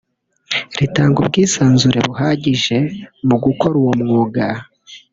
ritanga ubwisanzure buhagije mu gukora uwo mwuga